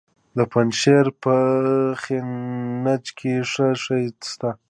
د پنجشیر په خینج کې څه شی شته؟